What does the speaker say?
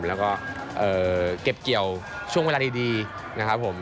แล้วก็เก็บเกี่ยวช่วงเวลาดีนะครับผม